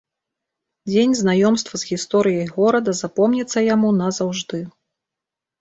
Дзень знаёмства з гісторыяй горада запомніцца яму назаўжды.